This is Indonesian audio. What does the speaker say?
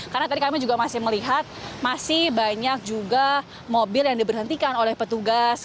karena tadi kami juga masih melihat masih banyak juga mobil yang diberhentikan oleh petugas